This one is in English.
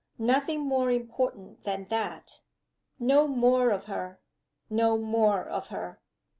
Nothing more important than that. No more of her! no more of her!